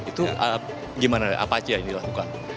itu gimana apa aja yang dilakukan